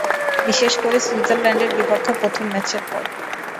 বিশেষ করে সুইজারল্যান্ডের বিপক্ষে প্রথম ম্যাচের পর।